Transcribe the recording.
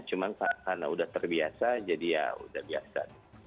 cuma karena sudah terbiasa jadi ya sudah biasa